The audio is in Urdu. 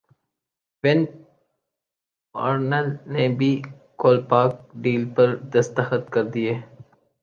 وین پارنیل نے بھی کولپاک ڈیل پر دستخط کردیے